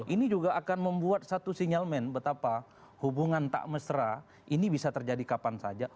ini juga akan membuat satu sinyalmen betapa hubungan tak mesra ini bisa terjadi kapan saja